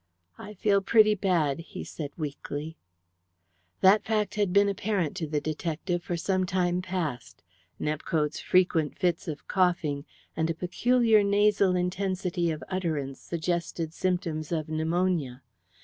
"I feel pretty bad," he said weakly. That fact had been apparent to the detective for some time past. Nepcote's frequent fits of coughing and a peculiar nasal intensity of utterance suggested symptoms of pneumonia.